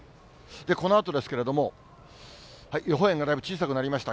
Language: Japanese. このあとですけれども、予報円がだいぶ小さくなりました。